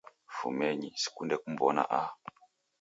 Fumenyi, sikunde kumw'ona aha